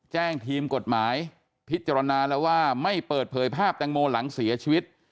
ทีมกฎหมายพิจารณาแล้วว่าไม่เปิดเผยภาพแตงโมหลังเสียชีวิต